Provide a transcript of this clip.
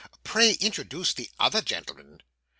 'Pray introduce the other gentleman.